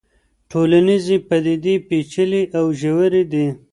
ټولنيزې پديدې پېچلې او ژورې دي.